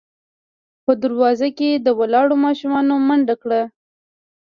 په دروازه کې ولاړو ماشومانو منډه کړه.